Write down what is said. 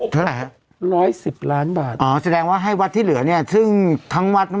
เท่าไหร่ฮะร้อยสิบล้านบาทอ๋อแสดงว่าให้วัดที่เหลือเนี่ยซึ่งทั้งวัดนั้น